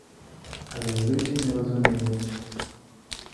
Але людзі не разумеюць.